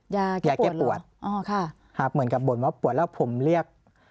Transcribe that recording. ยายาแก้ปวดอ๋อค่ะครับเหมือนกับบ่นว่าปวดแล้วผมเรียก